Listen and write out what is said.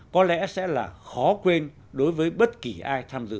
có lẽ sẽ là khó quên đối với bất kỳ ai tham dự